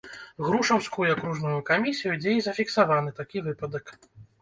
Грушаўскую акружную камісію, дзе і зафіксаваны такі выпадак.